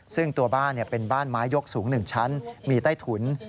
ซึ่งตัวบ้านเป็นบ้านไม้ยกสูง๑ชั้นมีใต้ถุน